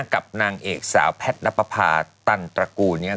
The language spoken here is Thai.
กับนางเอกสาวแพทย์นับประพาตันตระกูลเนี่ย